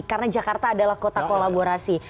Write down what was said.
karena jakarta adalah kota kolaborasi